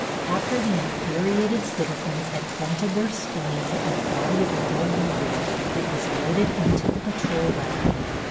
After the infuriated citizens had vented their spleen on the body of the dead Negro it was loaded into the patrol wagon.